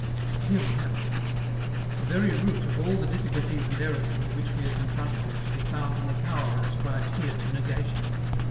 Here we have it! The very root of all the difficulties and errors with which we are confronted is to be found in the power ascribed here to negation.